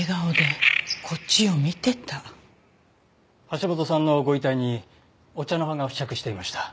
橋本さんのご遺体にお茶の葉が付着していました。